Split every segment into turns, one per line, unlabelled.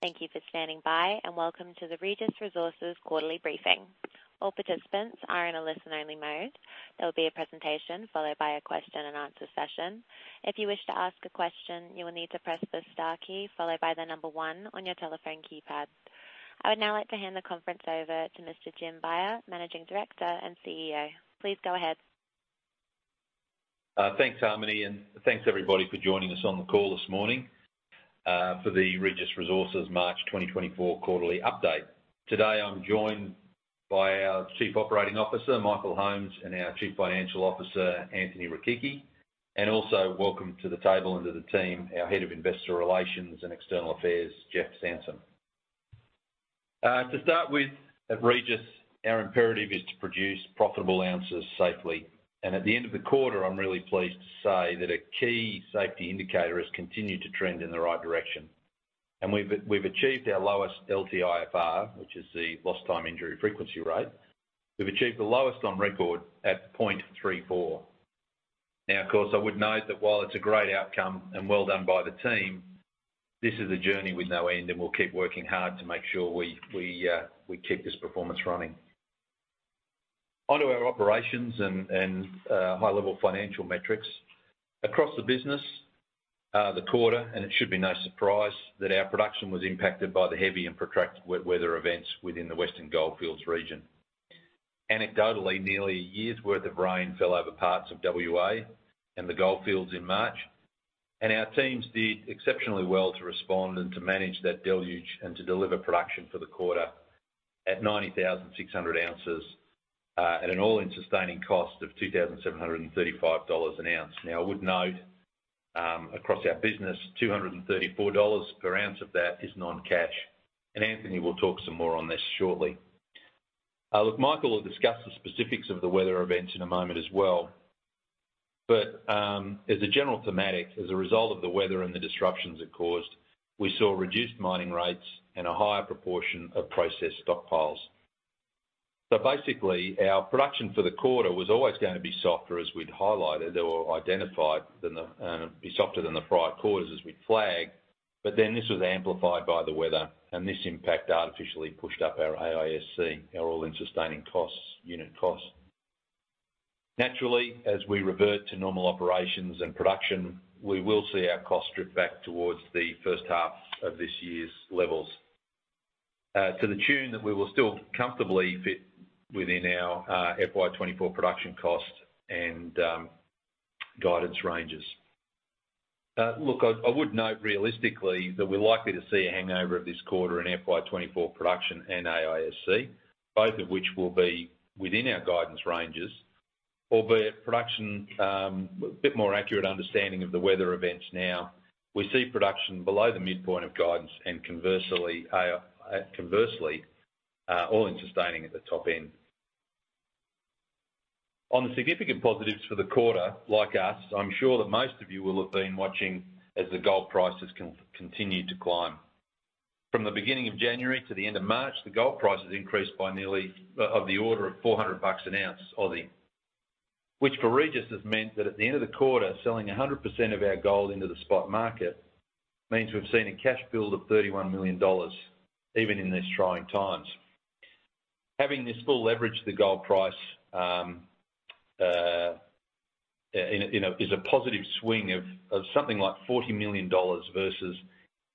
Thank you for standing by, and welcome to the Regis Resources quarterly briefing. All participants are in a listen-only mode. There will be a presentation followed by a question-and-answer session. If you wish to ask a question, you will need to press the star key followed by the number one on your telephone keypad. I would now like to hand the conference over to Mr. Jim Beyer, Managing Director and CEO. Please go ahead.
Thanks, Harmony, and thanks, everybody, for joining us on the call this morning, for the Regis Resources March 2024 quarterly update. Today, I'm joined by our Chief Operating Officer, Michael Holmes, and our Chief Financial Officer, Anthony Rechichi, and also welcome to the table and to the team, our Head of Investor Relations and External Affairs, Jeff Sansom. To start with, at Regis, our imperative is to produce profitable ounces safely, and at the end of the quarter, I'm really pleased to say that a key safety indicator has continued to trend in the right direction. We've achieved our lowest LTIFR, which is the lost time injury frequency rate. We've achieved the lowest on record at 0.34. Now, of course, I would note that while it's a great outcome and well done by the team, this is a journey with no end, and we'll keep working hard to make sure we keep this performance running. Onto our operations and high-level financial metrics. Across the business, the quarter, and it should be no surprise, that our production was impacted by the heavy and protracted weather events within the Western Goldfields region. Anecdotally, nearly a year's worth of rain fell over parts of WA and the Goldfields in March, and our teams did exceptionally well to respond and to manage that deluge and to deliver production for the quarter at 90,600 ounces, at an all-in sustaining cost of $2,735 an ounce. Now, I would note across our business, $234 per ounce of that is non-cash, and Anthony will talk some more on this shortly. Look, Michael will discuss the specifics of the weather events in a moment as well, but as a general thematic, as a result of the weather and the disruptions it caused, we saw reduced mining rates and a higher proportion of processed stockpiles. So basically, our production for the quarter was always gonna be softer, as we'd highlighted or identified, than the prior quarters as we'd flagged, but then this was amplified by the weather, and this impact artificially pushed up our AISC, our all-in sustaining costs, unit costs. Naturally, as we revert to normal operations and production, we will see our costs drift back towards the first half of this year's levels, to the tune that we will still comfortably fit within our, FY 2024 production cost and, guidance ranges. Look, I would note realistically that we're likely to see a hangover of this quarter in FY 2024 production and AISC, both of which will be within our guidance ranges, albeit production, a bit more accurate understanding of the weather events now. We see production below the midpoint of guidance and conversely, conversely, all-in sustaining at the top end. On the significant positives for the quarter, like us, I'm sure that most of you will have been watching as the gold prices continued to climb. From the beginning of January to the end of March, the gold prices increased by nearly of the order of 400 bucks an ounce. Which for Regis has meant that at the end of the quarter, selling 100% of our gold into the spot market, means we've seen a cash build of $31 million, even in these trying times. Having this full leverage to the gold price is a positive swing of something like $40 million versus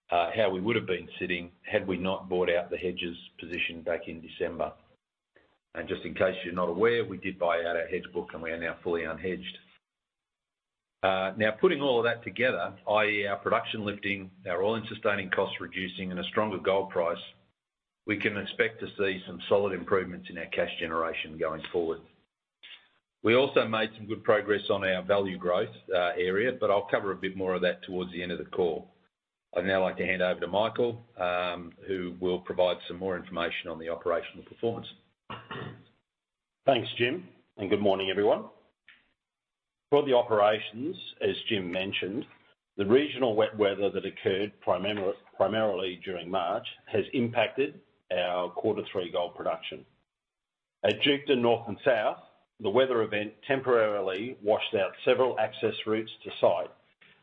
how we would have been sitting had we not bought out the hedges position back in December. Just in case you're not aware, we did buy out our hedge book, and we are now fully unhedged. Now, putting all of that together, i.e., our production lifting, our all-in sustaining costs reducing, and a stronger gold price, we can expect to see some solid improvements in our cash generation going forward. We also made some good progress on our value growth area, but I'll cover a bit more of that towards the end of the call. I'd now like to hand over to Michael, who will provide some more information on the operational performance.
Thanks, Jim, and good morning, everyone. For the operations, as Jim mentioned, the regional wet weather that occurred primarily during March has impacted our quarter three gold production. At Duketon North and South, the weather event temporarily washed out several access routes to site,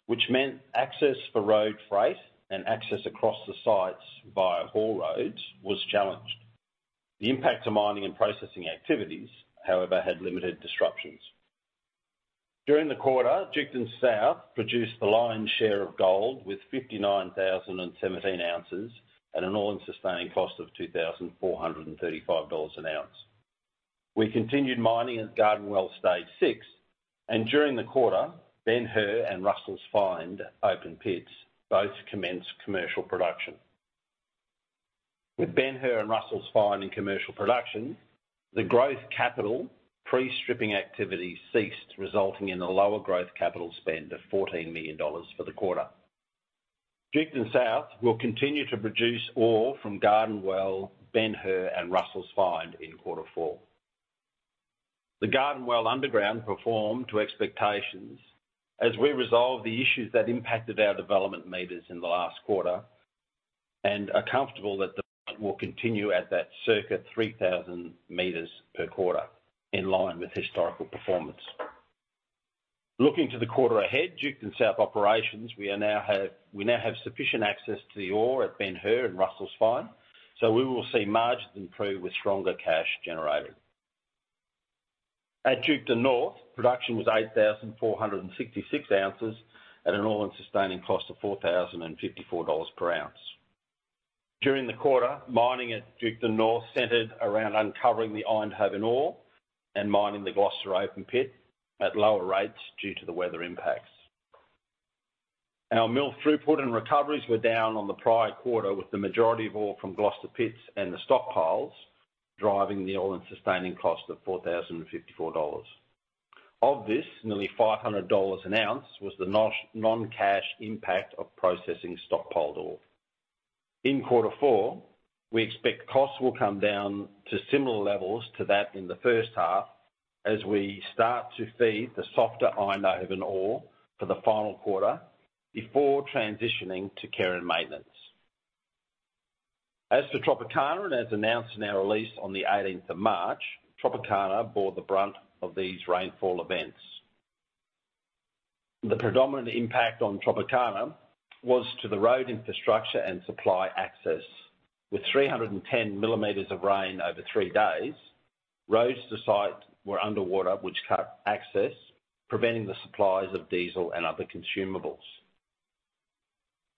which meant access for road freight and access across the sites via haul roads was challenged. The impact to mining and processing activities, however, had limited disruptions. During the quarter, Duketon South produced the lion's share of gold with 59,017 ounces at an all-in sustaining cost of $2,435 an ounce. We continued mining at Garden Well Stage 6, and during the quarter, Ben Hur and Russell's Find open pits both commenced commercial production. With Ben Hur and Russell's Find in commercial production, the growth capital pre-stripping activity ceased, resulting in a lower growth capital spend of $14 million for the quarter. Duketon South will continue to produce ore from Garden Well, Ben Hur, and Russell's Find in quarter four. The Garden Well underground performed to expectations as we resolved the issues that impacted our development meters in the last quarter and are comfortable that development will continue at that circa 3,000 meters per quarter, in line with historical performance. Looking to the quarter ahead, Duketon South operations, we now have sufficient access to the ore at Ben Hur and Russell's Find, so we will see margins improve with stronger cash generated. At Duketon North, production was 8,466 ounces at an all-in sustaining cost of $4,054 per ounce. During the quarter, mining at Duketon North centered around uncovering the Idaho ore and mining the Gloster open pit at lower rates due to the weather impacts. Our mill throughput and recoveries were down on the prior quarter, with the majority of ore from Gloster pits and the stockpiles driving the all-in sustaining cost of $4,054. Of this, nearly $500 an ounce was the non-cash impact of processing stockpiled ore. In quarter four, we expect costs will come down to similar levels to that in the first half as we start to feed the softer Idaho ore for the final quarter before transitioning to care and maintenance. As for Tropicana, as announced in our release on the eighteenth of March, Tropicana bore the brunt of these rainfall events. The predominant impact on Tropicana was to the road infrastructure and supply access. With 310 mm of rain over three days, roads to site were underwater, which cut access, preventing the supplies of diesel and other consumables.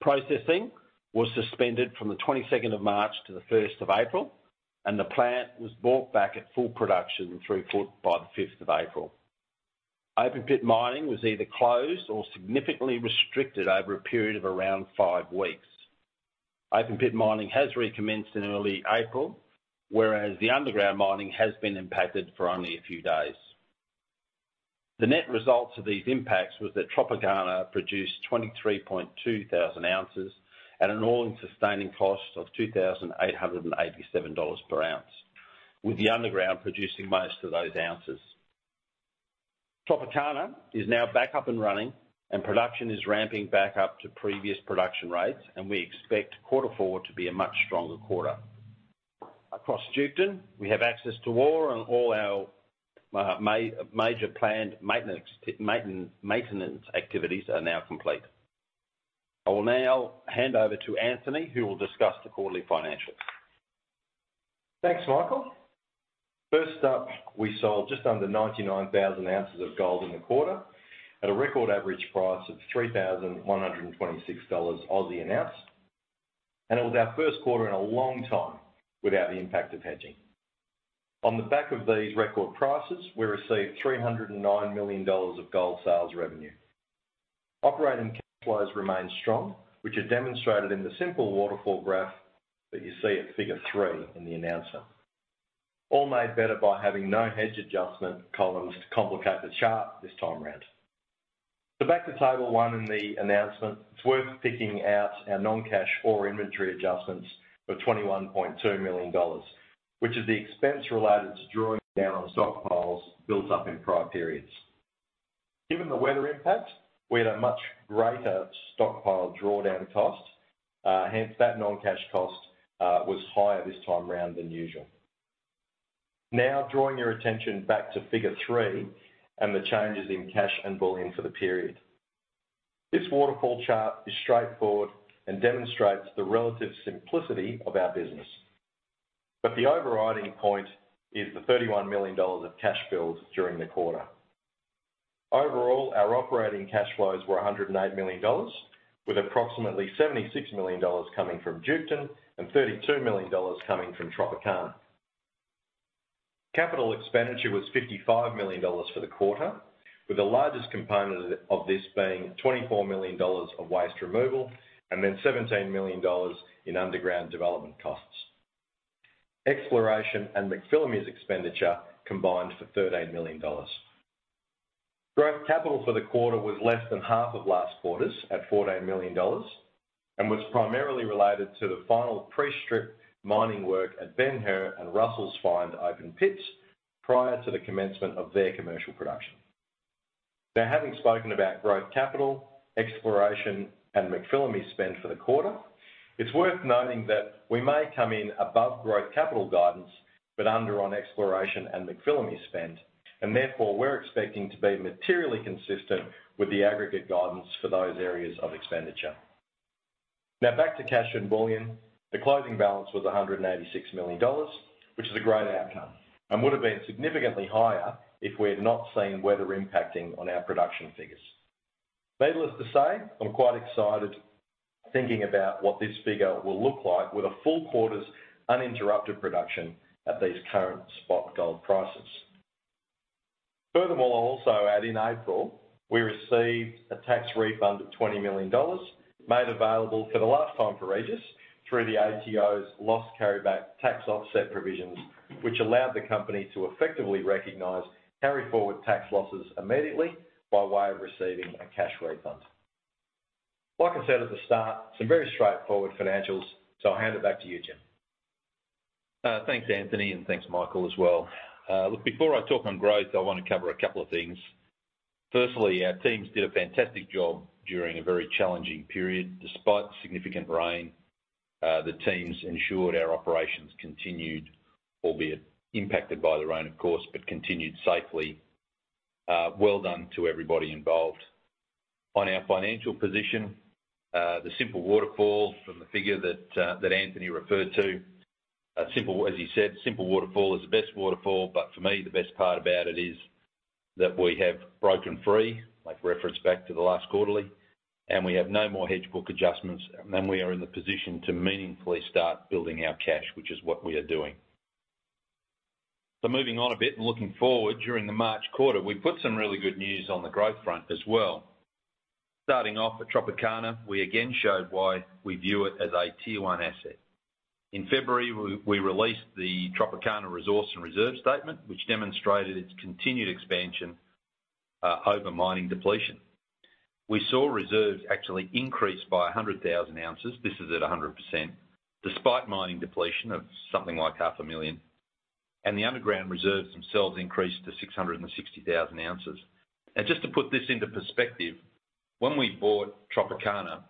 Processing was suspended from the 22nd of March to the 1st of April, and the plant was brought back at full production and throughput by the 5th of April. Open pit mining was either closed or significantly restricted over a period of around 5 weeks. Open pit mining has recommenced in early April, whereas the underground mining has been impacted for only a few days. The net results of these impacts was that Tropicana produced 23,200 ounces at an all-in sustaining cost of $2,887 per ounce, with the underground producing most of those ounces. Tropicana is now back up and running, and production is ramping back up to previous production rates, and we expect quarter four to be a much stronger quarter. Across Duketon, we have access to ore and all our major planned maintenance activities are now complete. I will now hand over to Anthony, who will discuss the quarterly financials.
Thanks, Michael. First up, we sold just under 99,000 ounces of gold in the quarter at a record average price of 3,126 Aussie dollars an ounce, and it was our first quarter in a long time without the impact of hedging. On the back of these record prices, we received $309 million of gold sales revenue. Operating cash flows remain strong, which is demonstrated in the simple waterfall graph that you see at figure three in the announcement. All made better by having no hedge adjustment columns to complicate the chart this time around. So back to Table 1 in the announcement, it's worth picking out our non-cash ore inventory adjustments of $ 21.2 million, which is the expense related to drawing down on stockpiles built up in prior periods. Given the weather impact, we had a much greater stockpile drawdown cost, hence, that non-cash cost was higher this time around than usual. Now, drawing your attention back to Figure 3 and the changes in cash and bullion for the period. This waterfall chart is straightforward and demonstrates the relative simplicity of our business, but the overriding point is the $31 million of cash build during the quarter. Overall, our operating cash flows were $108 million, with approximately $76 million coming from Duketon and $32 million coming from Tropicana. Capital expenditure was $55 million for the quarter, with the largest component of this being $24 million of waste removal and then $17 million in underground development costs. Exploration and McPhillamys expenditure combined for $13 million. Growth capital for the quarter was less than half of last quarter's, at $14 million, and was primarily related to the final pre-strip mining work at Ben Hur and Russell's Find open pits prior to the commencement of their commercial production. Now, having spoken about growth capital, exploration, and McPhillamys spend for the quarter, it's worth noting that we may come in above growth capital guidance, but under on exploration and McPhillamys spend, and therefore, we're expecting to be materially consistent with the aggregate guidance for those areas of expenditure. Now, back to cash and bullion. The closing balance was $186 million, which is a great outcome, and would have been significantly higher if we had not seen weather impacting on our production figures. Needless to say, I'm quite excited thinking about what this figure will look like with a full quarter's uninterrupted production at these current spot gold prices. Furthermore, I'll also add, in April, we received a tax refund of $20 million, made available for the last time for Regis through the ATO's loss carryback tax offset provisions, which allowed the company to effectively recognize carry forward tax losses immediately by way of receiving a cash refund. Like I said at the start, some very straightforward financials, so I'll hand it back to you, Jim.
Thanks, Anthony, and thanks, Michael, as well. Look, before I talk on growth, I want to cover a couple of things. Firstly, our teams did a fantastic job during a very challenging period, despite significant rain the teams ensured our operations continued, albeit impacted by the rain, of course, but continued safely. Well done to everybody involved. On our financial position, the simple waterfall from the figure that that Anthony referred to, simple as he said, simple waterfall is the best waterfall, but for me, the best part about it is that we have broken free, like reference back to the last quarterly, and we have no more hedge book adjustments, and we are in the position to meaningfully start building our cash, which is what we are doing. So moving on a bit and looking forward, during the March quarter, we put some really good news on the growth front as well. Starting off at Tropicana, we again showed why we view it as a Tier One asset. In February, we released the Tropicana Resource and Reserve Statement, which demonstrated its continued expansion over mining depletion. We saw reserves actually increase by 100,000 ounces, this is at 100%, despite mining depletion of something like 500,000, and the underground reserves themselves increased to 660,000 ounces. And just to put this into perspective, when we bought Tropicana,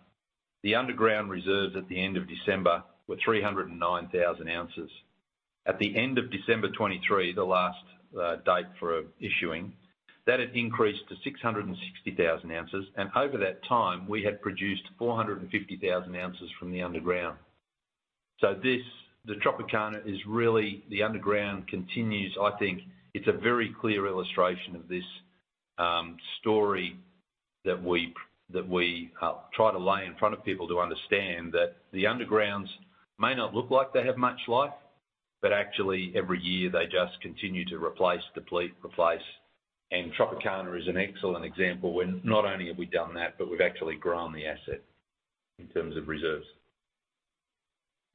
the underground reserves at the end of December were 309,000 ounces. At the end of December 2023, the last date for issuing, that had increased to 660,000 ounces, and over that time, we had produced 450,000 ounces from the underground. So this, the Tropicana, is really, the underground continues. I think it's a very clear illustration of this story that we try to lay in front of people to understand that the undergrounds may not look like they have much life, but actually, every year they just continue to replace, deplete, replace. Tropicana is an excellent example, when not only have we done that, but we've actually grown the asset in terms of reserves.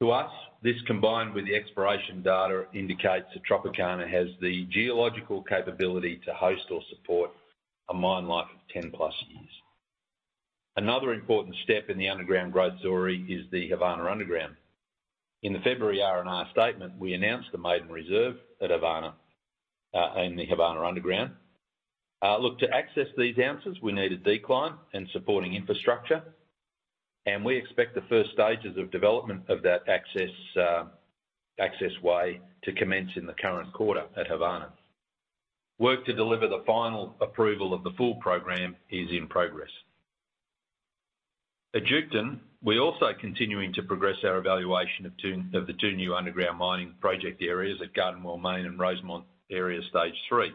To us, this combined with the exploration data, indicates that Tropicana has the geological capability to host or support a mine life of 10+ years. Another important step in the underground growth story is the Havana Underground. In the February R&R statement, we announced the maiden reserve at Havana in the Havana Underground. Look, to access these areas, we need a decline and supporting infrastructure, and we expect the first stages of development of that access way to commence in the current quarter at Havana. Work to deliver the final approval of the full program is in progress. At Duketon, we're also continuing to progress our evaluation of the two new underground mining project areas at Garden Well Main and Rosemont Area Stage 3.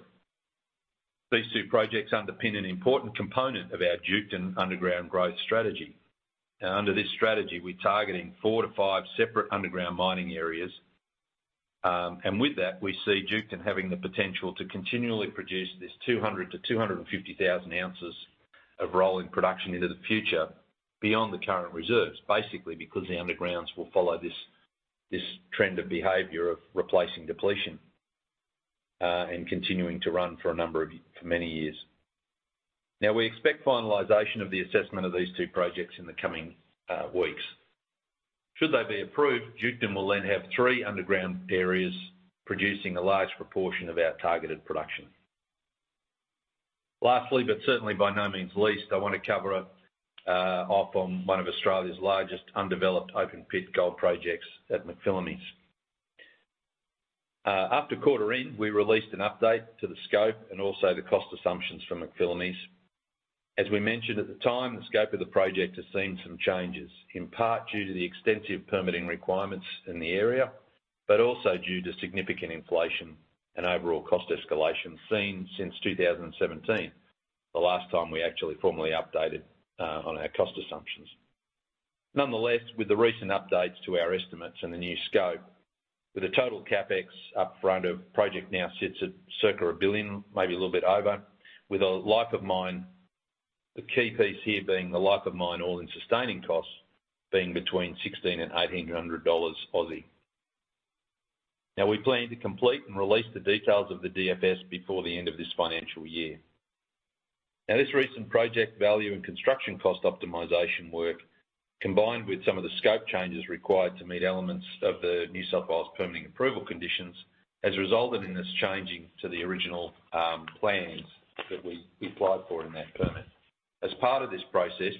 These two projects underpin an important component of our Duketon underground growth strategy. Now, under this strategy, we're targeting four to five separate underground mining areas. And with that, we see Duketon having the potential to continually produce 200-250 thousand ounces of rolling production into the future beyond the current reserves. Basically, because the undergrounds will follow this trend of behavior of replacing depletion, and continuing to run for many years. Now, we expect finalization of the assessment of these two projects in the coming weeks. Should they be approved, Duketon will then have three underground areas producing a large proportion of our targeted production. Lastly, but certainly by no means least, I want to cover off on one of Australia's largest undeveloped open-pit gold projects at McPhillamys. After quarter end, we released an update to the scope and also the cost assumptions from McPhillamys. As we mentioned at the time, the scope of the project has seen some changes, in part due to the extensive permitting requirements in the area, but also due to significant inflation and overall cost escalation seen since 2017, the last time we actually formally updated on our cost assumptions. Nonetheless, with the recent updates to our estimates and the new scope, with a total CapEx upfront of project now sits at circa $1 billion, maybe a little bit over, with a life of mine- the key piece here being the life of mine, all-in sustaining costs, being between 1,600 and 1,800 Aussie dollars. Now, we plan to complete and release the details of the DFS before the end of this financial year. Now, this recent project value and construction cost optimization work, combined with some of the scope changes required to meet elements of the New South Wales permitting approval conditions, has resulted in this changing to the original plans that we, we applied for in that permit. As part of this process,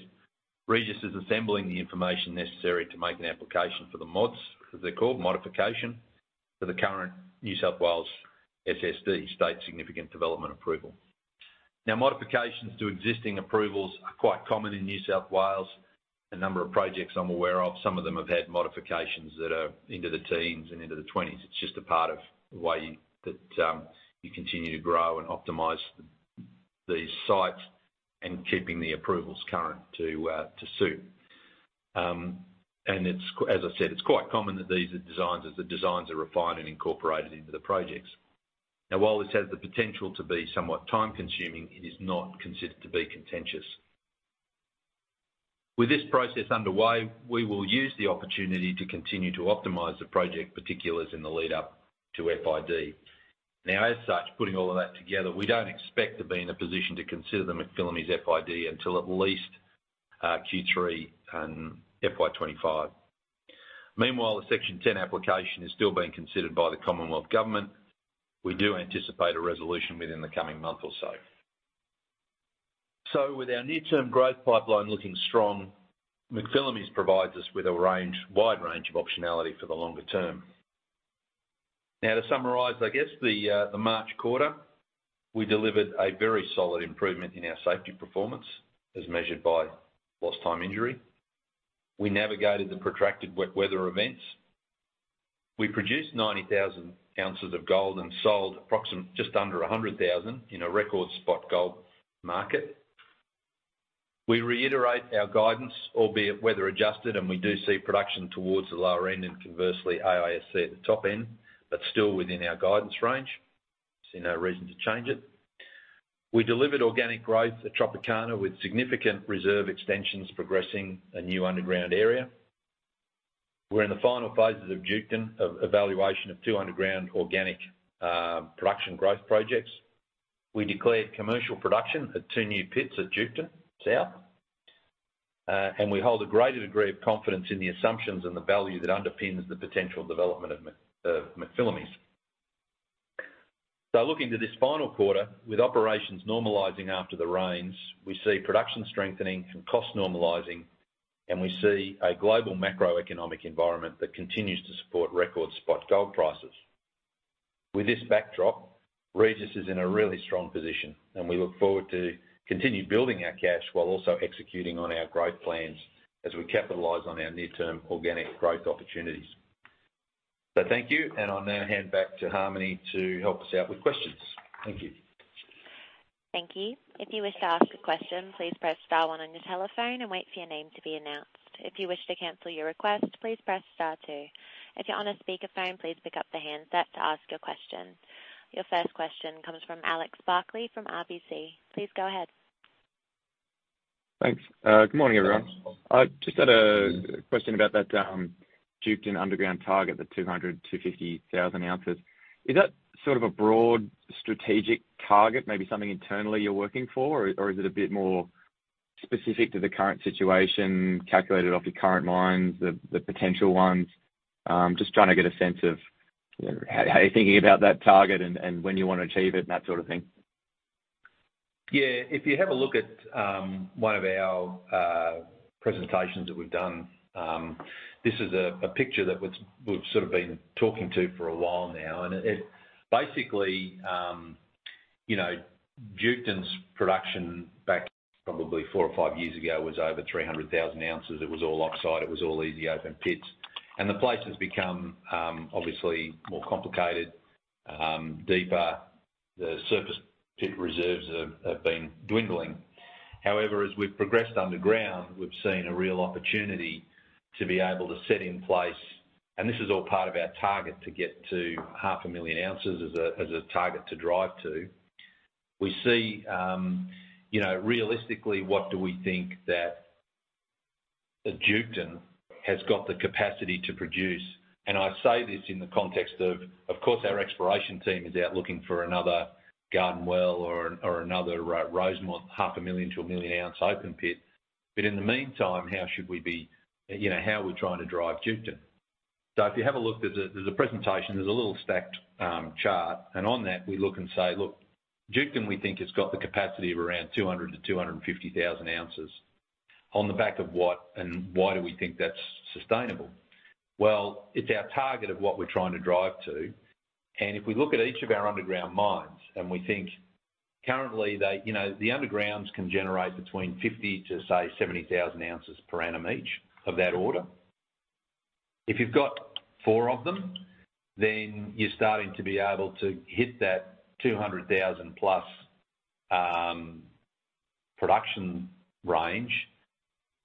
Regis is assembling the information necessary to make an application for the mods, as they're called, modification, for the current New South Wales SSD, State Significant Development approval. Now, modifications to existing approvals are quite common in New South Wales. A number of projects I'm aware of, some of them have had modifications that are into the teens and into the twenties. It's just a part of the way that you continue to grow and optimize these sites and keeping the approvals current to to suit. As I said, it's quite common that these are designs, as the designs are refined and incorporated into the projects. Now, while this has the potential to be somewhat time-consuming, it is not considered to be contentious. With this process underway, we will use the opportunity to continue to optimize the project, particularly as in the lead up to FID. Now, as such, putting all of that together, we don't expect to be in a position to consider the McPhillamys FID until at least Q3 and FY 2025. Meanwhile, the Section 10 application is still being considered by the Commonwealth government. We do anticipate a resolution within the coming month or so. So with our near-term growth pipeline looking strong, McPhillamys provides us with a range, wide range of optionality for the longer term. Now, to summarize, I guess, the March quarter, we delivered a very solid improvement in our safety performance, as measured by lost time injury. We navigated the protracted wet weather events. We produced 90,000 ounces of gold and sold just under 100,000 in a record spot gold market. We reiterate our guidance, albeit weather adjusted, and we do see production towards the lower end and conversely, AISC at the top end, but still within our guidance range. See no reason to change it. We delivered organic growth at Tropicana, with significant reserve extensions progressing a new underground area. We're in the final phases of Duketon, of evaluation of two underground organic, production growth projects. We declared commercial production at two new pits at Duketon South. And we hold a greater degree of confidence in the assumptions and the value that underpins the potential development of McPhillamys. So looking to this final quarter, with operations normalizing after the rains, we see production strengthening and cost normalizing, and we see a global macroeconomic environment that continues to support record spot gold prices. With this backdrop, Regis is in a really strong position, and we look forward to continue building our cash while also executing on our growth plans as we capitalize on our near-term organic growth opportunities. So thank you, and I'll now hand back to Harmony to help us out with questions. Thank you.
Thank you. If you wish to ask a question, please press star one on your telephone and wait for your name to be announced. If you wish to cancel your request, please press star two. If you're on a speakerphone, please pick up the handset to ask your question. Your first question comes from Alex Barclay from RBC. Please go ahead.
Thanks. Good morning, everyone. I just had a question about that, Duketon underground target, the 200,000-250,000 ounces. Is that sort of a broad strategic target, maybe something internally you're working for, or is it a bit more specific to the current situation, calculated off your current mines, the potential ones? Just trying to get a sense of how you're thinking about that target and when you want to achieve it and that sort of thing.
Yeah. If you have a look at one of our presentations that we've done, this is a picture that we've sort of been talking to for a while now, and it basically, you know, Duketon's production back probably 4 or 5 years ago was over 300,000 ounces. It was all oxide, it was all easy open pits. And the place has become obviously more complicated, deeper. The surface pit reserves have been dwindling. However, as we've progressed underground, we've seen a real opportunity to be able to set in place, and this is all part of our target, to get to 500,000 ounces as a target to drive to. We see, you know, realistically, what do we think that Duketon has got the capacity to produce? And I say this in the context of, of course, our exploration team is out looking for another Garden Well or another Rosemont, 500,000-1 million-ounce open pit. But in the meantime, how should we be. You know, how are we trying to drive Duketon? So if you have a look, there's a presentation, there's a little stacked chart, and on that we look and say, "Look, Duketon, we think, has got the capacity of around 200,000-250,000 ounces." On the back of what and why do we think that's sustainable? Well, it's our target of what we're trying to drive to, and if we look at each of our underground mines, and we think currently they, you know, the undergrounds can generate between 50,000-70,000 ounces per annum, each, of that order. If you've got four of them, then you're starting to be able to hit that 200,000+ production range.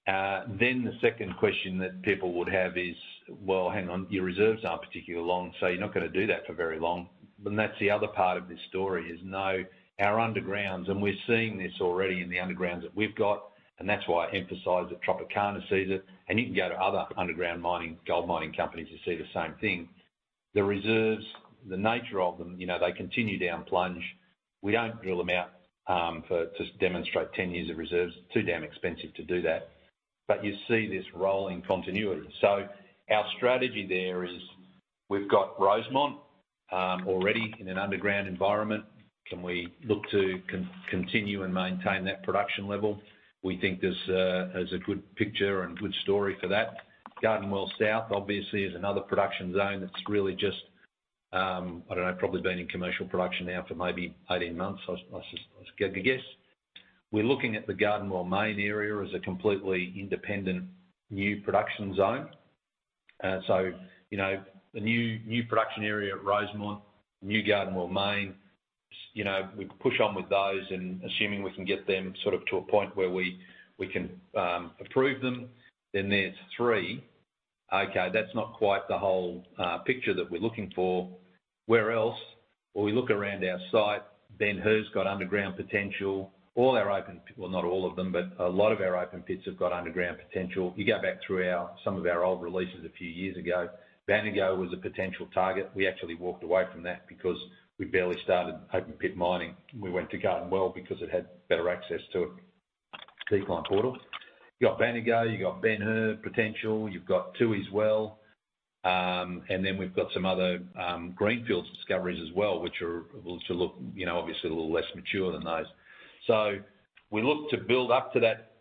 Then the second question that people would have is, "Well, hang on, your reserves aren't particularly long, so you're not going to do that for very long." Then that's the other part of this story is you know our undergrounds, and we're seeing this already in the undergrounds that we've got, and that's why I emphasize that Tropicana sees it, and you can go to other underground mining, gold mining companies to see the same thing. The reserves, the nature of them, you know, they continue down plunge. We don't drill them out to demonstrate 10 years of reserves. Too damn expensive to do that, but you see this rolling continuity. So our strategy there is, we've got Rosemont already in an underground environment. Can we look to continue and maintain that production level? We think there's a good picture and good story for that. Garden Well South, obviously, is another production zone that's really just, I don't know, probably been in commercial production now for maybe 18 months, just take a guess. We're looking at the Garden Well Main area as a completely independent new production zone. So, you know, the new production area at Rosemont, new Garden Well Main, you know, we push on with those, and assuming we can get them sort of to a point where we can approve them, then there's three. Okay, that's not quite the whole picture that we're looking for. Where else? Well, we look around our site, then who's got underground potential? All our open. Well, not all of them, but a lot of our open pits have got underground potential. You go back through our, some of our old releases a few years ago, Baneygo was a potential target. We actually walked away from that because we barely started open pit mining. We went to Garden Well because it had better access to decline portal. You got Baneygo, you got Ben Hur potential, you've got Tooheys Well, and then we've got some other greenfields discoveries as well, which are, which will look, you know, obviously a little less mature than those. So we look to build up to that,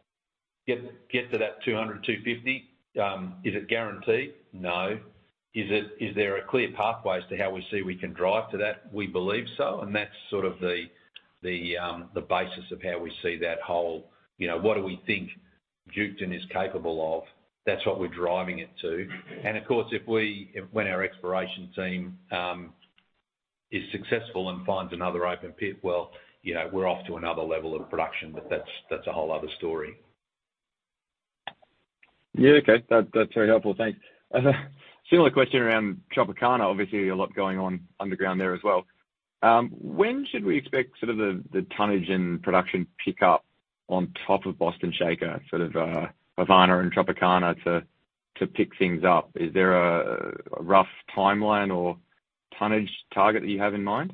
get, get to that 200, 250. Is it guaranteed? No. Is it- is there a clear pathway as to how we see we can drive to that? We believe so, and that's sort of the basis of how we see that whole, you know, what do we think Duketon is capable of? That's what we're driving it to. And of course, if when our exploration team is successful and finds another open pit, well, you know, we're off to another level of production, but that's a whole other story.
Yeah, okay. That's very helpful. Thanks. Similar question around Tropicana. Obviously, a lot going on underground there as well. When should we expect sort of the tonnage and production pick up on top of Boston Shaker, sort of, Havana and Tropicana to pick things up? Is there a rough timeline or tonnage target that you have in mind?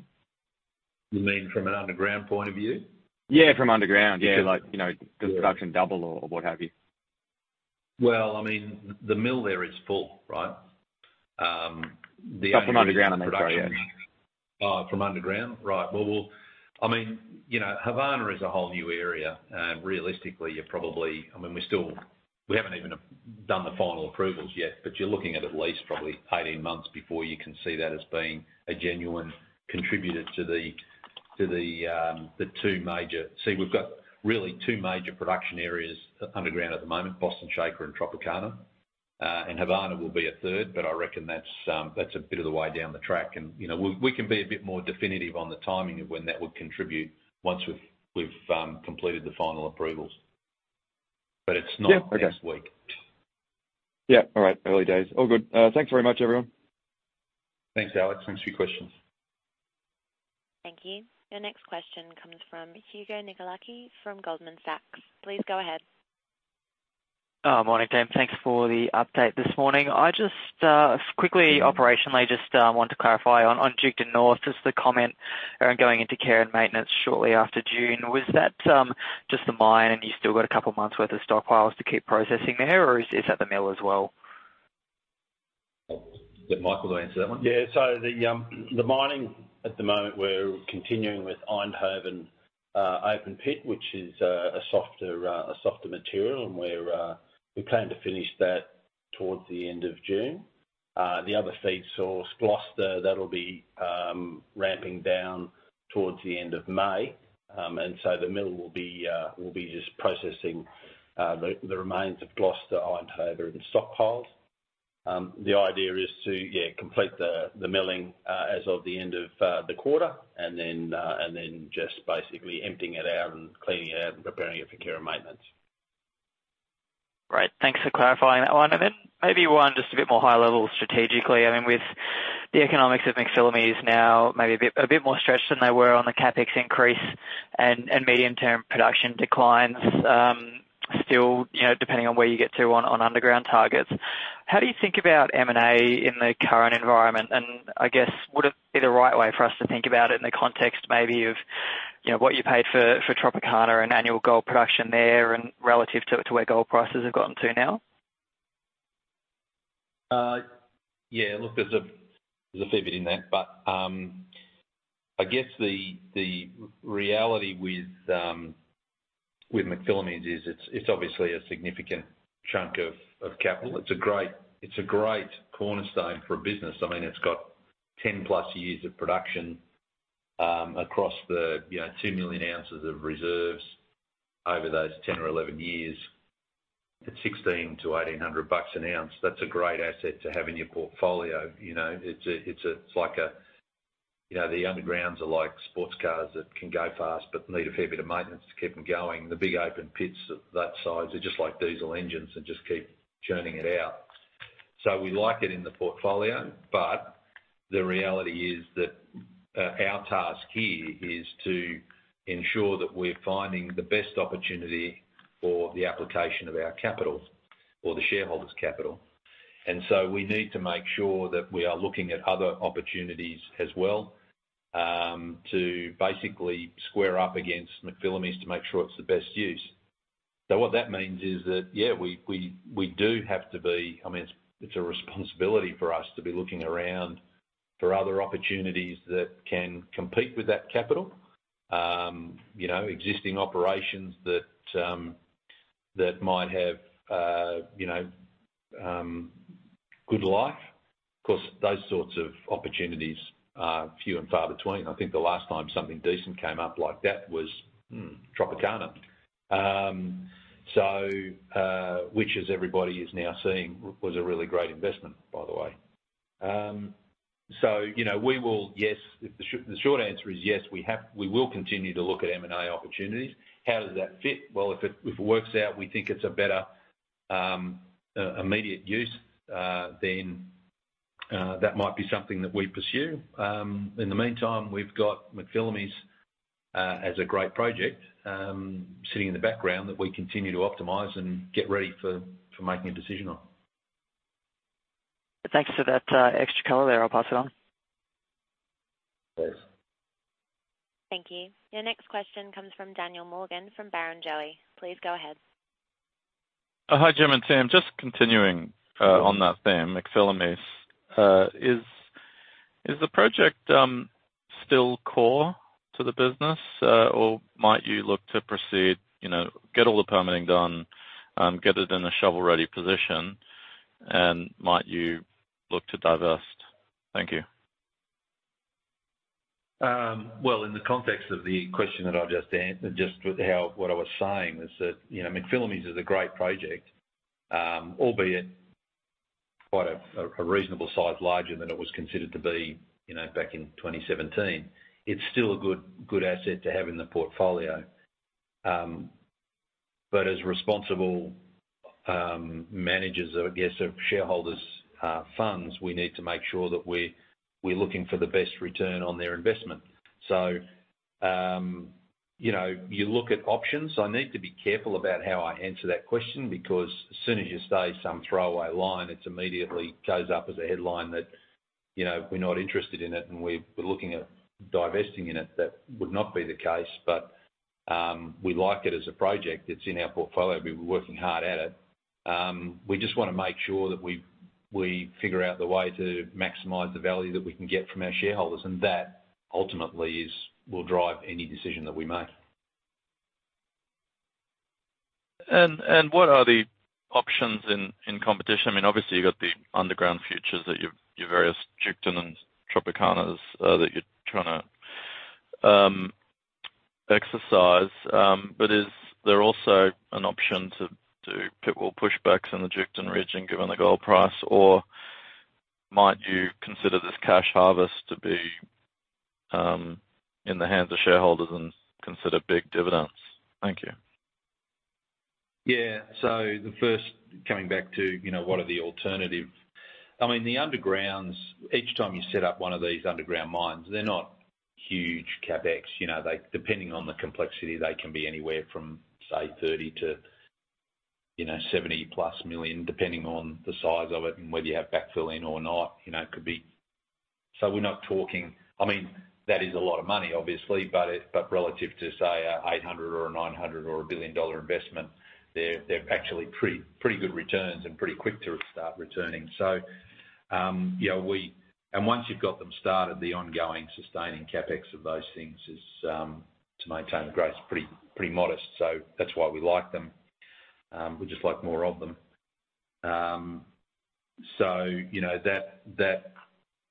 You mean from an underground point of view?
Yeah, from underground.
Yeah.
Like, you know, does production double or what have you?
Well, I mean, the mill there is full, right?
From underground, I mean, sorry, yeah.
From underground? Right. Well, I mean, you know, Havana is a whole new area, and realistically, you're probably. I mean, we're still, we haven't even done the final approvals yet, but you're looking at least probably 18 months before you can see that as being a genuine contributor to the two major—See, we've got really two major production areas underground at the moment, Boston Shaker and Tropicana. And Havana will be a third, but I reckon that's a bit of the way down the track, and, you know, we can be a bit more definitive on the timing of when that would contribute once we've completed the final approvals. But it's not-
Yeah, okay.
Next week.
Yeah, all right. Early days. All good. Thanks very much, everyone.
Thanks, Alex. Thanks for your questions.
Thank you. Your next question comes from Hugo Nicolaci from Goldman Sachs. Please go ahead.
Morning, team. Thanks for the update this morning. I just quickly, operationally, just want to clarify on, on Duketon North, just the comment around going into Care and Maintenance shortly after June. Was that just the mine, and you've still got a couple of months' worth of stockpiles to keep processing there, or is, is that the mill as well?
Get Michael to answer that one.
Yeah, so the mining at the moment, we're continuing with Eindhoven open pit, which is a softer material, and we plan to finish that towards the end of June. The other feed source, Gloster, that'll be ramping down towards the end of May. And so the mill will be just processing the remains of Gloster, Idaho in stockpiles. The idea is to, yeah, complete the milling as of the end of the quarter, and then just basically emptying it out and cleaning it out and preparing it for care and maintenance.
Great. Thanks for clarifying that one. And then maybe one just a bit more high level strategically, I mean, with the economics of McPhillamys now maybe a bit, a bit more stretched than they were on the CapEx increase and, and medium-term production declines, still, you know, depending on where you get to on, on underground targets. How do you think about M&A in the current environment? And I guess, would it be the right way for us to think about it in the context, maybe of, you know, what you paid for, for Tropicana and annual gold production there and relative to, to where gold prices have gotten to now?
Yeah, look, there's a fair bit in that, but I guess the reality with McPhillamys is it's obviously a significant chunk of capital. It's a great cornerstone for a business. I mean, it's got 10+ years of production across the, you know, 2 million ounces of reserves over those 10 or 11 years. At $1,600-$1,800 an ounce, that's a great asset to have in your portfolio. You know, it's a, it's like a you know, the undergrounds are like sports cars that can go fast, but need a fair bit of maintenance to keep them going. The big open pits of that size are just like diesel engines and just keep churning it out. So we like it in the portfolio, but the reality is that, our task here is to ensure that we're finding the best opportunity for the application of our capital or the shareholders' capital. And so we need to make sure that we are looking at other opportunities as well, to basically square up against McPhillamys to make sure it's the best use. So what that means is that, yeah, we do have to be, I mean, it's a responsibility for us to be looking around for other opportunities that can compete with that capital. You know, existing operations that might have, you know, good life. Of course, those sorts of opportunities are few and far between. I think the last time something decent came up like that was Tropicana. So, which as everybody is now seeing, was a really great investment, by the way. So, you know, we will, yes, the short answer is yes, we have we will continue to look at M&A opportunities. How does that fit? Well, if it works out, we think it's a better immediate use then that might be something that we pursue. In the meantime, we've got McPhillamys as a great project sitting in the background that we continue to optimize and get ready for making a decision on.
Thanks for that, extra color there. I'll pass it on.
Thanks.
Thank you. Your next question comes from Daniel Morgan, from Barrenjoey. Please go ahead.
Hi, Jim and team. Just continuing on that theme, McPhillamys. Is the project still core to the business? Or might you look to proceed, you know, get all the permitting done, get it in a shovel-ready position, and might you look to divest? Thank you.
Well, in the context of the question that I've just with how, what I was saying is that, you know, McPhillamys is a great project. Albeit quite a reasonable size, larger than it was considered to be, you know, back in 2017. It's still a good, good asset to have in the portfolio. But as responsible managers of, I guess, of shareholders funds, we need to make sure that we're looking for the best return on their investment. So, you know, you look at options. I need to be careful about how I answer that question, because as soon as you say some throwaway line, it's immediately goes up as a headline that, you know, we're not interested in it, and we're looking at divesting in it. That would not be the case, but we like it as a project. It's in our portfolio. We've been working hard at it. We just wanna make sure that we figure out the way to maximize the value that we can get from our shareholders, and that ultimately is, will drive any decision that we make.
What are the options in competition? I mean, obviously, you've got the underground futures that your various Duketon and Tropicana that you're trying to exercise. But is there also an option to do open pit pushbacks in the Duketon, and given the gold price, or might you consider this cash harvest to be in the hands of shareholders and consider big dividends? Thank you.
Yeah. So the first, coming back to, you know, what are the alternatives? I mean, the undergrounds, each time you set up one of these underground mines, they're not huge CapEx. You know, they—Depending on the complexity, they can be anywhere from, say, $30 million to, you know, $70+ million, depending on the size of it and whether you have backfill in or not. You know, it could be. So we're not talking—I mean, that is a lot of money, obviously, but it, but relative to, say, $800 million or $900 million or a $1 billion investment, they're, they're actually pretty, pretty good returns and pretty quick to start returning. So, you know, we—And once you've got them started, the ongoing sustaining CapEx of those things is, to maintain the growth, pretty, pretty modest. So that's why we like them. We just like more of them. So you know, that, that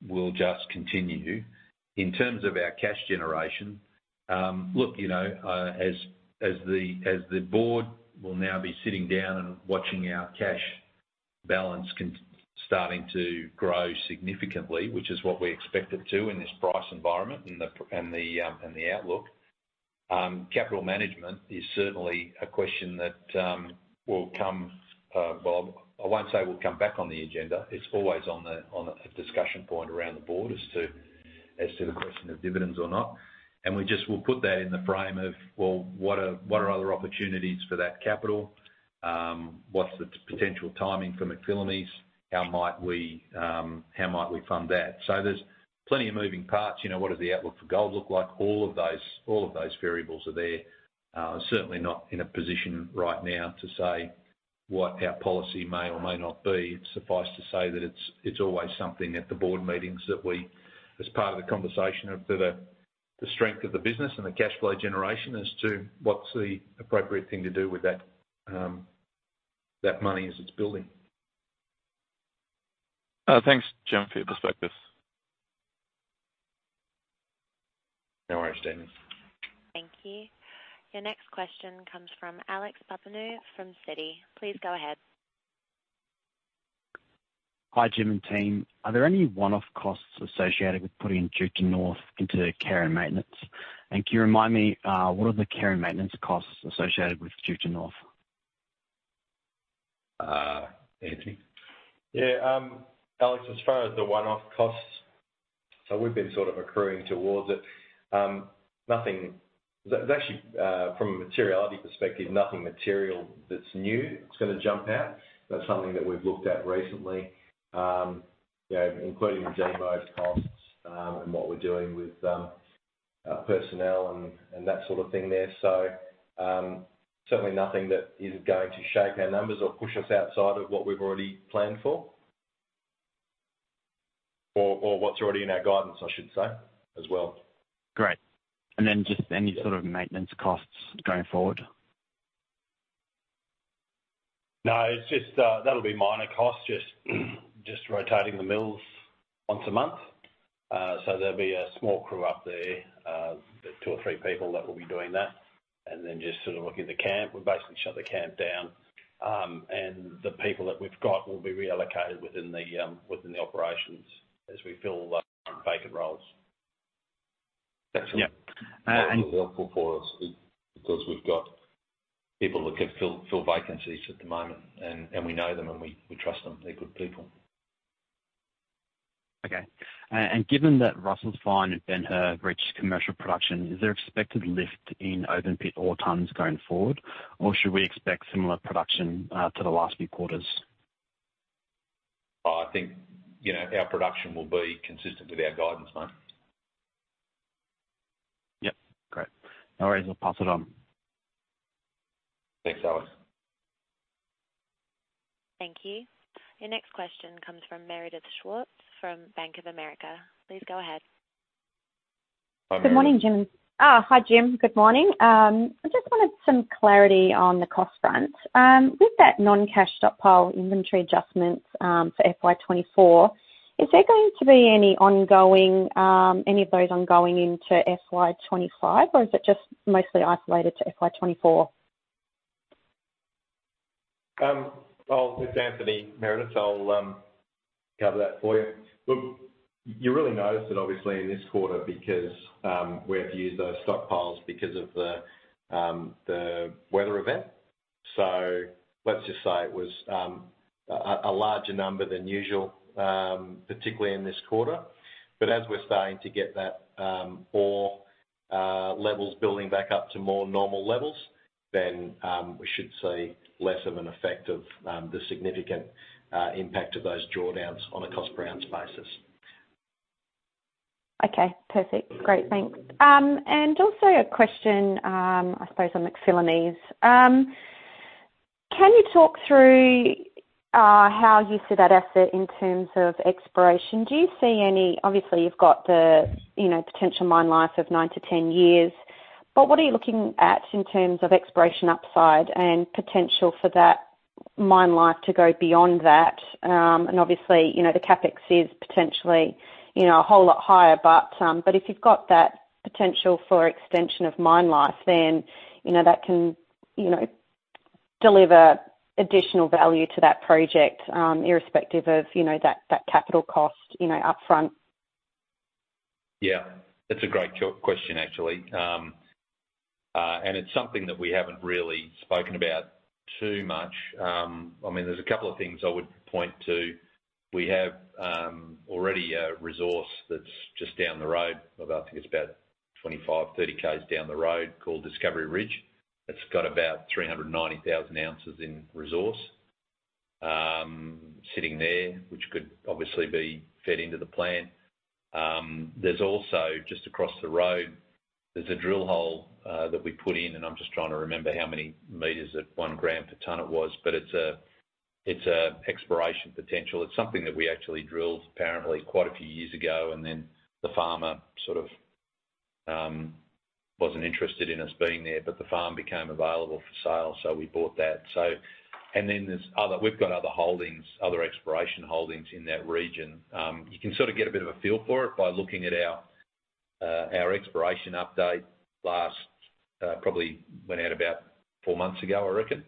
will just continue. In terms of our cash generation, look, you know, as, as the board will now be sitting down and watching our cash balance starting to grow significantly, which is what we expect it to in this price environment, and the and the outlook, capital management is certainly a question that will come, well, I won't say will come back on the agenda. It's always on the, on a discussion point around the board as to, as to the question of dividends or not, and we just will put that in the frame of, well, what are, what are other opportunities for that capital? What's the potential timing for McPhillamys? How might we, how might we fund that? So there's plenty of moving parts. You know, what does the outlook for gold look like? All of those, all of those variables are there. Certainly not in a position right now to say what our policy may or may not be. Suffice to say that it's, it's always something at the board meetings that we, as part of the conversation of the, the strength of the business and the cash flow generation, as to what's the appropriate thing to do with that, that money as it's building.
Thanks, Jim, for your perspective.
No worries, Daniel.
Thank you. Your next question comes from Alex Papaioanou from Citi. Please go ahead.
Hi, Jim and team. Are there any one-off costs associated with putting Duketon North into care and maintenance? And can you remind me, what are the care and maintenance costs associated with Duketon North?
Uh, Anthony?
Yeah, Alex, as far as the one-off costs, so we've been sort of accruing towards it. Nothing. There's actually, from a materiality perspective, nothing material that's new, that's gonna jump out. That's something that we've looked at recently, you know, including the demo costs, and what we're doing with, personnel and, and that sort of thing there. So, certainly nothing that is going to shape our numbers or push us outside of what we've already planned for, or, or what's already in our guidance, I should say, as well.
Great. And then just any sort of maintenance costs going forward?
No, it's just, that'll be minor costs, just, just rotating the mills once a month. So there'll be a small crew up there, two or three people that will be doing that. And then just sort of looking at the camp. We basically shut the camp down, and the people that we've got will be reallocated within the, within the operations as we fill, vacant roles.
Yeah.
Helpful for us because we've got people that can fill vacancies at the moment, and we know them, and we trust them. They're good people.
Okay. Given that Russell's Find and Ben Hur reached commercial production, is there expected lift in open pit ore tons going forward, or should we expect similar production to the last few quarters?
Oh, I think, you know, our production will be consistent with our guidance, mate.
Yep, great. No worries, I'll pass it on.
Thanks, Alex.
Thank you. Your next question comes from Meredith Schwartz from Bank of America. Please go ahead.
Hi, Meredith.
Good morning, Jim. Hi, Jim. Good morning. I just wanted some clarity on the cost front. With that non-cash stockpile inventory adjustments, for FY24, is there going to be any ongoing, any of those ongoing into FY25, or is it just mostly isolated to FY24?
Oh, it's Anthony, Meredith. I'll cover that for you. Look, you really noticed it obviously in this quarter because we have to use those stockpiles because of the weather event. So let's just say it was a larger number than usual, particularly in this quarter. But as we're starting to get that ore levels building back up to more normal levels, then we should see less of an effect of the significant impact of those drawdowns on a cost-per-ounce basis.
Okay, perfect. Great, thanks. And also a question, I suppose on McPhillamys. Can you talk through how you see that asset in terms of exploration? Do you see any, obviously, you've got the, you know, potential mine life of 9-10 years, but what are you looking at in terms of exploration upside and potential for that mine life to go beyond that? And obviously, you know, the CapEx is potentially, you know, a whole lot higher, but, but if you've got that potential for extension of mine life, then, you know, that can, you know, deliver additional value to that project, irrespective of, you know, that, that capital cost, you know, upfront.
Yeah, that's a great question, actually. And it's something that we haven't really spoken about too much. I mean, there's a couple of things I would point to. We have already a resource that's just down the road, about I think it's about 25-30 km down the road called Discovery Ridge. It's got about 390,000 ounces in resource, sitting there, which could obviously be fed into the plant. There's also, just across the road, there's a drill hole that we put in, and I'm just trying to remember how many meters at 1 gram per ton it was, but it's a, it's a exploration potential. It's something that we actually drilled apparently quite a few years ago, and then the farmer sort of wasn't interested in us being there, but the farm became available for sale, so we bought that. So, and then there's other—we've got other holdings, other exploration holdings in that region. You can sort of get a bit of a feel for it by looking at our our exploration update last, probably went out about four months ago, I reckon.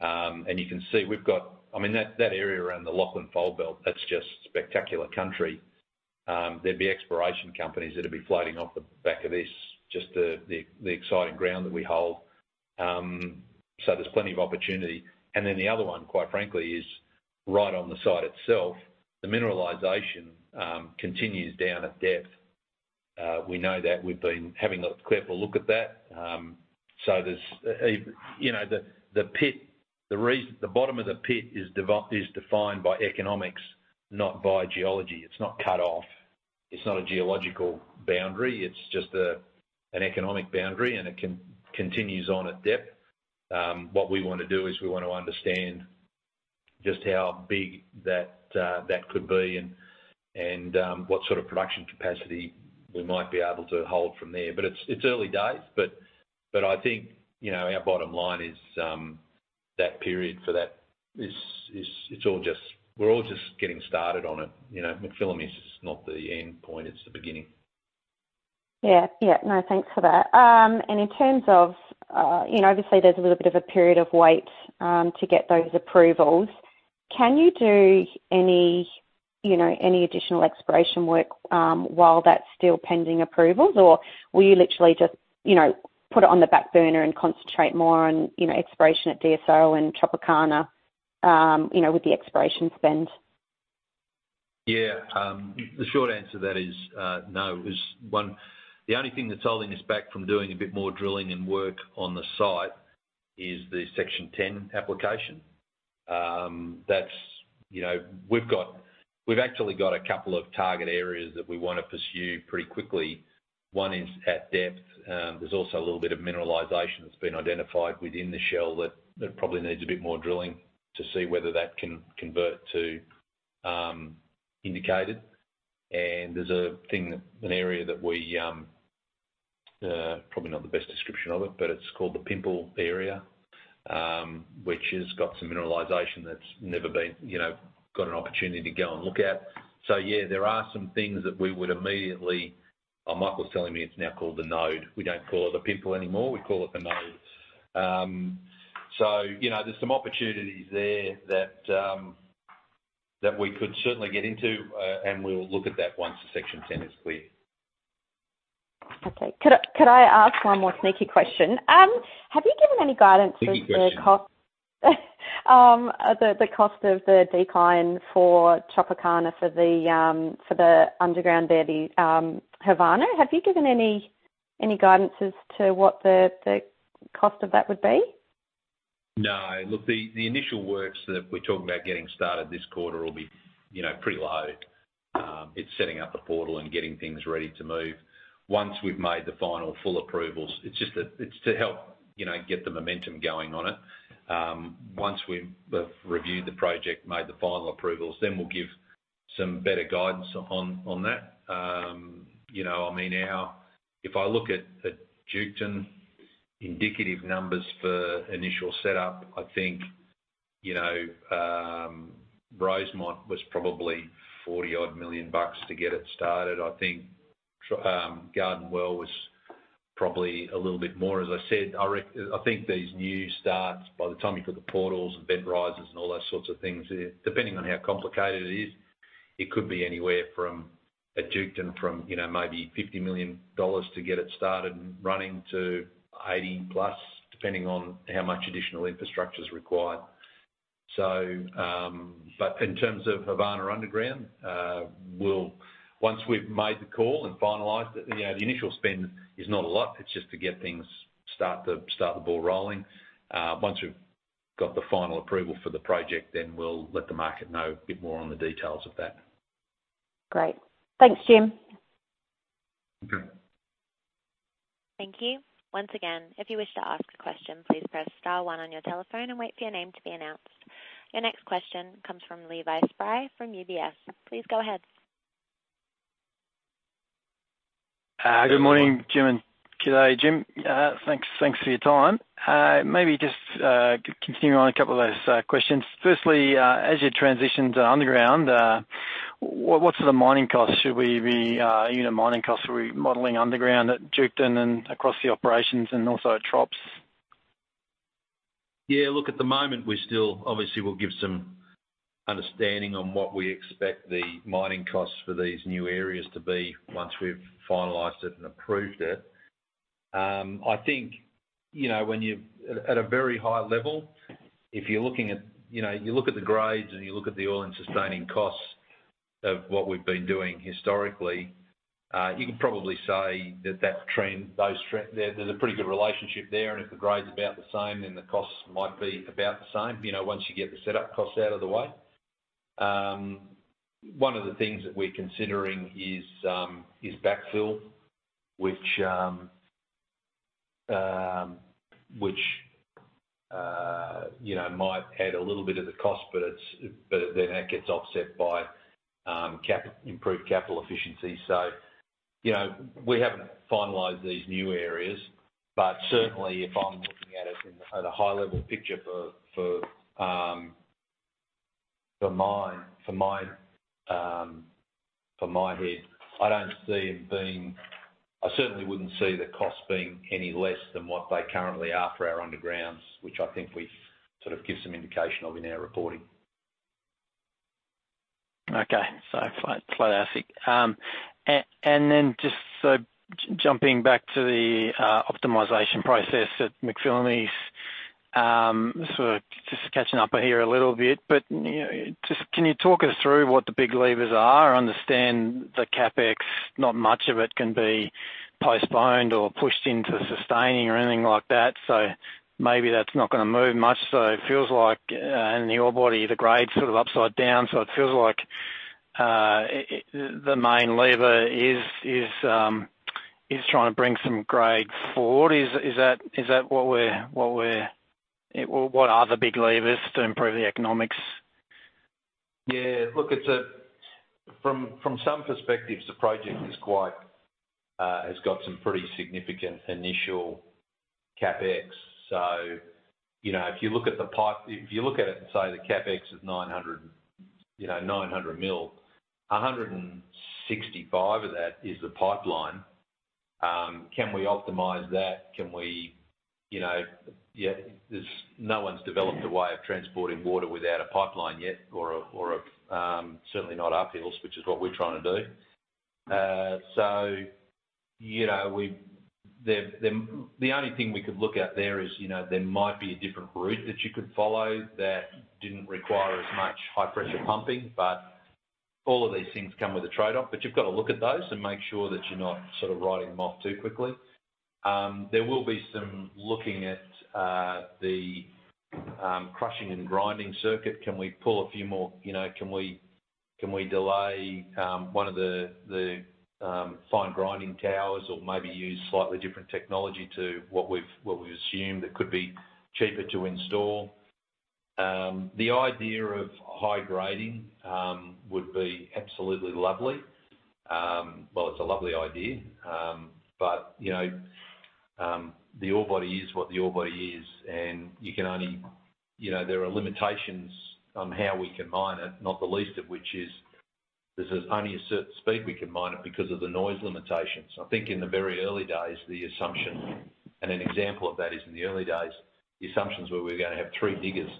And you can see we've got. I mean, that, that area around the Lachlan Fold Belt, that's just spectacular country. There'd be exploration companies that would be floating off the back of this, just the, the, the exciting ground that we hold. So there's plenty of opportunity. And then the other one, quite frankly, is right on the site itself. The mineralization continues down at depth. We know that we've been having a careful look at that. So there's, you know, the, the pit, the reason, the bottom of the pit is defined by economics, not by geology. It's not cut off. It's not a geological boundary, it's just an economic boundary, and it continues on at depth. What we want to do is we want to understand just how big that could be and what sort of production capacity we might be able to hold from there. But it's early days, but I think, you know, our bottom line is that period for that is, it's all just we're all just getting started on it. You know, McPhillamys is not the end point, it's the beginning.
Yeah. Yeah, no, thanks for that. In terms of, you know, obviously there's a little bit of a period of wait to get those approvals. Can you do any, you know, any additional exploration work while that's still pending approvals? Or will you literally just, you know, put it on the back burner and concentrate more on, you know, exploration at DSO and Tropicana, you know, with the exploration spend?
Yeah, the short answer to that is, no. The only thing that's holding us back from doing a bit more drilling and work on the site is the Section 10 application. That's, you know, we've actually got a couple of target areas that we want to pursue pretty quickly. One is at depth. There's also a little bit of mineralization that's been identified within the shell that probably needs a bit more drilling to see whether that can convert to indicated. And there's an area that we probably not the best description of it, but it's called the Pimple area, which has got some mineralization that's never been, you know, got an opportunity to go and look at. So yeah, there are some things that we would immediately. Michael's telling me it's now called the Node. We don't call it the Pimple anymore, we call it the Node. So, you know, there's some opportunities there that we could certainly get into, and we'll look at that once the Section 10 is clear.
Okay. Could I, could I ask one more sneaky question? Have you given any guidance to
Sneaky question.
The cost of the decline for Tropicana, for the underground there, Havana? Have you given any guidances to what the cost of that would be?
No, look, the initial works that we're talking about getting started this quarter will be, you know, pretty low. It's setting up the portal and getting things ready to move. Once we've made the final full approvals, it's just that it's to help, you know, get the momentum going on it. Once we've reviewed the project, made the final approvals, then we'll give some better guidance on that. You know, I mean, our, if I look at Duketon, indicative numbers for initial setup, I think, you know, Rosemont was probably $40-odd million to get it started. I think Garden Well was probably a little bit more. As I said, I think these new starts, by the time you put the portals and bed rises and all those sorts of things, depending on how complicated it is, it could be anywhere from, at Duketon, from, you know, maybe $50 million to get it started and running to $80+ million, depending on how much additional infrastructure is required. So, but in terms of Havana Underground, we'll, once we've made the call and finalized it, you know, the initial spend is not a lot. It's just to get things start the ball rolling. Once we've got the final approval for the project, then we'll let the market know a bit more on the details of that.
Great. Thanks, Jim.
Okay.
Thank you. Once again, if you wish to ask a question, please press star one on your telephone and wait for your name to be announced. Your next question comes from Levi Spry from UBS. Please go ahead.
Good morning, Jim, and g'day, Jim. Thanks, thanks for your time. Maybe just, continuing on a couple of those questions. Firstly, as you transition to underground, what sort of mining costs should we be, you know, mining costs, we modeling underground at Duketon and across the operations and also at Trops?
Yeah, look, at the moment, we still obviously we'll give some understanding on what we expect the mining costs for these new areas to be once we've finalized it and approved it. I think, you know, when you at a very high level, if you're looking at, you know, you look at the grades and you look at the all-in sustaining costs of what we've been doing historically, you can probably say that there's a pretty good relationship there, and if the grade's about the same, then the costs might be about the same, you know, once you get the setup costs out of the way. One of the things that we're considering is backfill, which, you know, might add a little bit of the cost, but then that gets offset by improved capital efficiency. So, you know, we haven't finalized these new areas, but certainly if I'm looking at it at a high level picture for my head, I don't see it being. I certainly wouldn't see the cost being any less than what they currently are for our undergrounds, which I think we sort of give some indication of in our reporting.
Okay. So clear, clear as heck. And then just so jumping back to the optimization process at McPhillamys, sort of just catching up here a little bit, but, you know, just can you talk us through what the big levers are? I understand the CapEx, not much of it can be postponed or pushed into sustaining or anything like that, so maybe that's not gonna move much. So it feels like in the ore body, the grade's sort of upside down, so it feels like it, the main lever is trying to bring some grade forward. Is that what we're. What are the big levers to improve the economics?
Yeah, look, it's from some perspectives, the project is quite, has got some pretty significant initial CapEx. So, you know, if you look at the pipe, if you look at it and say the CapEx is $900 million, a hundred and sixty-five of that is the pipeline. Can we optimize that? Can we, you know. Yeah, there's no one's developed a way of transporting water without a pipeline yet or a, or a, certainly not uphill, which is what we're trying to do. So, you know, we've, the only thing we could look at there is, you know, there might be a different route that you could follow that didn't require as much high-pressure pumping, but all of these things come with a trade-off. But you've got to look at those and make sure that you're not sort of writing them off too quickly. There will be some looking at the crushing and grinding circuit. Can we pull a few more, you know, can we delay one of the fine grinding towers or maybe use slightly different technology to what we've assumed that could be cheaper to install? The idea of high grading would be absolutely lovely. Well, it's a lovely idea. But, you know, the ore body is what the ore body is, and you can only. You know, there are limitations on how we can mine it, not the least of which is, there's only a certain speed we can mine it because of the noise limitations. I think in the very early days, the assumption, and an example of that is in the early days, the assumptions were we were gonna have 3 diggers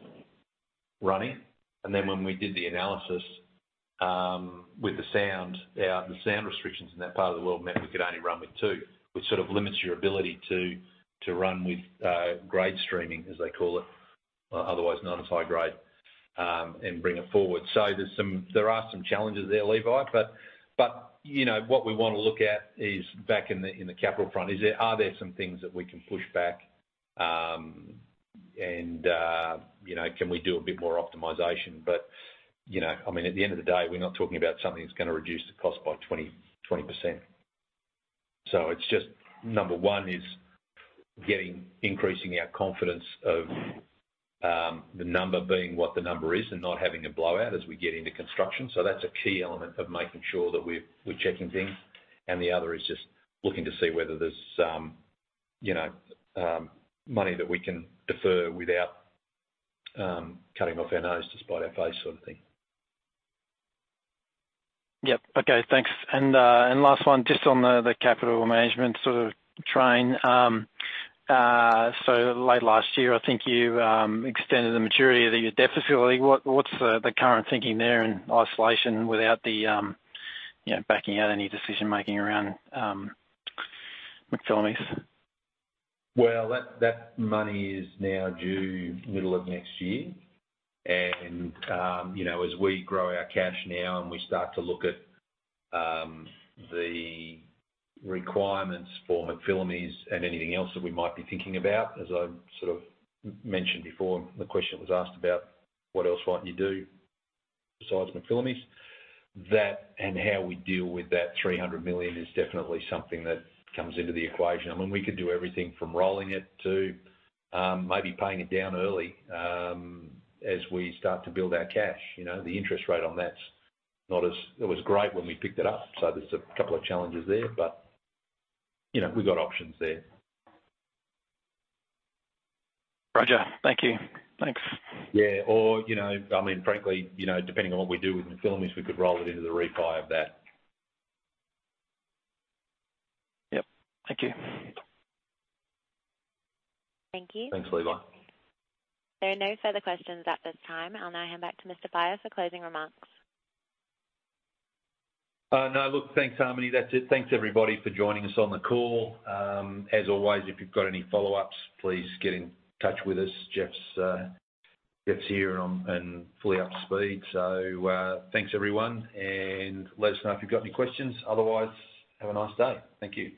running, and then when we did the analysis, with the sound restrictions in that part of the world meant we could only run with 2, which sort of limits your ability to run with grade streaming, as they call it otherwise known as high grade, and bring it forward. So there are some challenges there, Levi, but you know, what we wanna look at is back in the capital front, is there are there some things that we can push back? And you know, can we do a bit more optimization? You know, I mean, at the end of the day, we're not talking about something that's gonna reduce the cost by 20, 20%. So it's just, number one is increasing our confidence of the number being what the number is and not having a blowout as we get into construction. So that's a key element of making sure that we're checking things. And the other is just looking to see whether there's, you know, money that we can defer without cutting off our nose to spite our face sort of thing.
Yep. Okay, thanks. And last one, just on the capital management sort of train. So late last year, I think you extended the maturity of your debt facility. What's the current thinking there in isolation without the, you know, backing out any decision-making around McPhillamys?
Well, that, that money is now due middle of next year. And, you know, as we grow our cash now and we start to look at the requirements for McPhillamys and anything else that we might be thinking about, as I sort of mentioned before, the question was asked about what else might you do besides McPhillamys? That and how we deal with that $300 million is definitely something that comes into the equation. I mean, we could do everything from rolling it to maybe paying it down early as we start to build our cash. You know, the interest rate on that's not as. It was great when we picked it up, so there's a couple of challenges there, but, you know, we've got options there.
Roger. Thank you. Thanks.
Yeah. Or, you know, I mean, frankly, you know, depending on what we do with McPhillamys, we could roll it into the refi of that.
Yep. Thank you.
Thank you.
Thanks, Levi.
There are no further questions at this time. I'll now hand back to Mr. Beyer for closing remarks.
No, look, thanks, Harmony. That's it. Thanks, everybody, for joining us on the call. As always, if you've got any follow-ups, please get in touch with us. Jeff's here and on and fully up to speed. So, thanks, everyone, and let us know if you've got any questions. Otherwise, have a nice day. Thank you.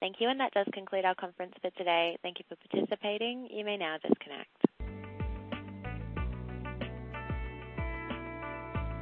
Thank you, and that does conclude our conference for today. Thank you for participating. You may now disconnect.